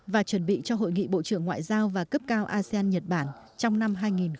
và chuẩn bị cho hội nghị bộ trưởng ngoại giao và cấp cao asean nhật bản trong năm hai nghìn hai mươi